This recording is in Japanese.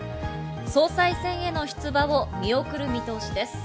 総裁選への出馬を見送る見通しです。